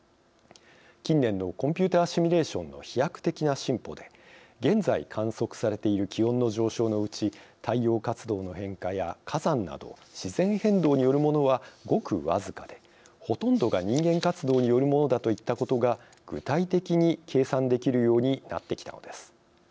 近年のコンピューターシミュレーションの飛躍的な進歩で現在観測されている気温の上昇のうち太陽活動の変化や火山など自然変動によるものはごく僅かでほとんどが人間活動によるものだといったことが具体的に計算できるようになってきたのです。